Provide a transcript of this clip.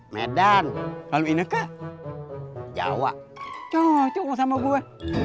medan lalu ini ke jawa cowok sama gue